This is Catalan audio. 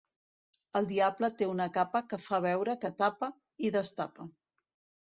El diable té una capa que fa veure que tapa, i destapa.